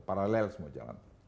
paralel semua jalan